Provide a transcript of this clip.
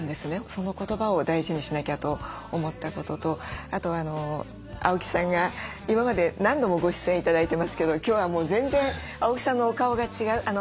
その言葉を大事にしなきゃと思ったこととあと青木さんが今まで何度もご出演頂いてますけど今日は全然青木さんのお顔が違う。